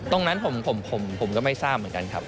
ตรงนั้นผมก็ไม่ทราบเหมือนกันครับ